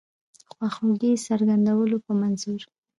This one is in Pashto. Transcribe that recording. خواخوږی څرګندولو په منظور.